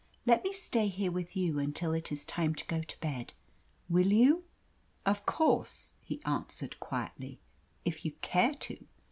Let me stay here with you until it is time to go to bed, will you?" "Of course," he answered quietly. "If you care to.